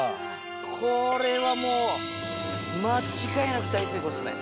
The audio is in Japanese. これはもう間違いなく大成功ですね。